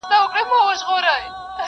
ارغنداو به غاړي غاړي را روان سي-